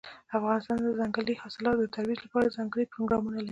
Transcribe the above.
افغانستان د ځنګلي حاصلاتو د ترویج لپاره ځانګړي پروګرامونه لري.